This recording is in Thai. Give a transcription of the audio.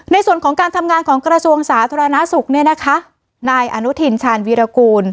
ในส่วนของการทำงานของกระทรวงสาธารณสุขเนี่ยนะคะนายอนุทินชาญวีรกูล